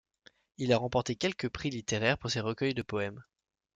Il a remporté quelques prix littéraires pour ses recueils de poèmes.